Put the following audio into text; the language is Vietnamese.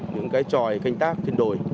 những cái tròi khanh tác trên đồi